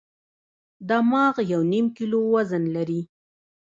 دماغ یو نیم کیلو وزن لري.